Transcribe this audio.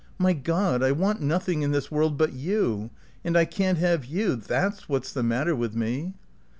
"My God, I want nothing in this world but you. And I can't have you. That's what's the matter with me."